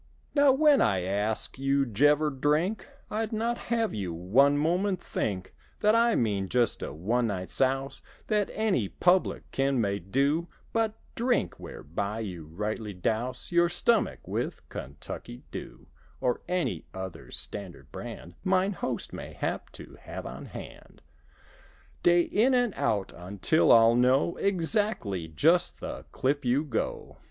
Now when I ask you, 'Jevver Drink?'— I'd not have you one moment think That I mean just a one night souse That any publican may do: But drink whereby you rightly douse Your stomach with "Kentucky Dew" (Or any other standard brand Mine host mayhap to have on hand) Day in and out until all know Exactly just the clip you go.